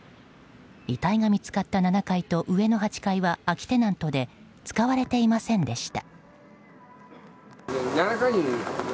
遺体が見つかった７階と上の８階は空きテナントで使われていませんでした。